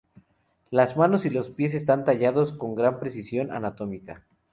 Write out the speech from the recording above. Las manos y los pies están tallados con gran precisión anatómica.